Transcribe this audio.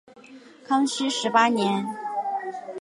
康熙十八年。